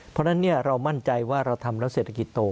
เพราะฉะนั้นเรามั่นใจว่าเราทำแล้วเศรษฐกิจโต